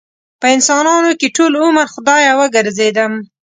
په انسانانو کې ټول عمر خدايه وګرځېدم